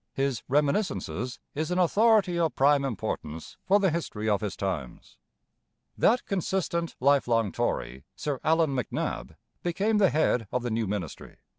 His Reminiscences is an authority of prime importance for the history of his times. That consistent, life long Tory, Sir Allan MacNab, became the head of the new ministry.